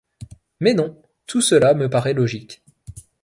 Mais non, tout cela me paraît logique.